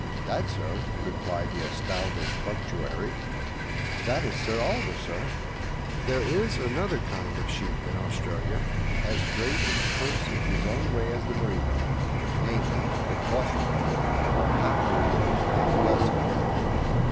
"That, sir," replied the astounded functionary "that is Sir Oliver, sir!" There is another kind of sheep in Australia, as great a curse in his own way as the merino namely, the cross bred, or half merino half Leicester animal.